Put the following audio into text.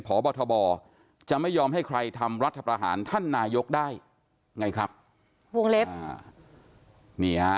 พบทบจะไม่ยอมให้ใครทำรัฐประหารท่านนายกได้ไงครับวงเล็บนี่ฮะ